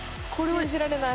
信じられない。